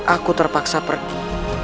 aku terpaksa pergi